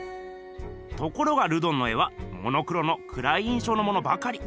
ところがルドンの絵はモノクロのくらい印象のものばかり。